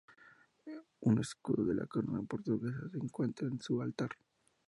Un escudo de la corona portuguesa se encuentra en su altar.